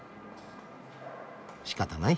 しかたない。